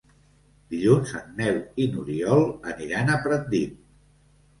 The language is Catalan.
Dilluns en Nel i n'Oriol aniran a Pratdip.